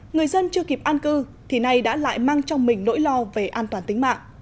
người dân chưa kịp an cư thì nay đã lại mang trong mình nỗi lo về an toàn tính mạng